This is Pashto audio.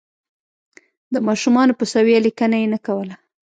د ماشومانو په سویه لیکنه یې نه کوله.